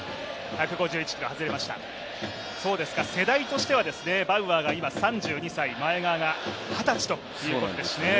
世代としては、バウアーが３２歳、前川が二十歳ということですね。